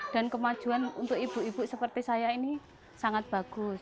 dan kemajuan untuk ibu ibu seperti saya ini sangat bagus